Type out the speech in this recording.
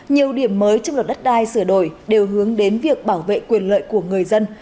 nhiều điểm mới trong luật đất đai sửa đổi đều hướng đến việc bảo vệ quyền lợi của người dân